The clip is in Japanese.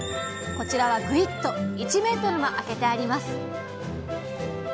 こちらはグイッと１ｍもあけてあります。